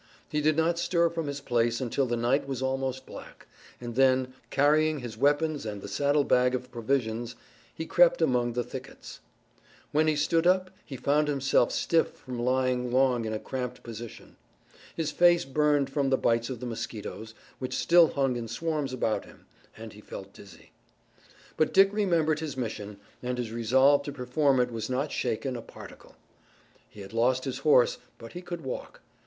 He did not stir from his place until the night was almost black, and then, carrying his weapons and the saddlebag of provisions, he crept among the thickets. When he stood up he found himself stiff from lying long in a cramped position. His face burned from the bites of the mosquitoes, which still hung in swarms about him, and he felt dizzy. But Dick remembered his mission, and his resolve to perform it was not shaken a particle. He had lost his horse, but he could walk.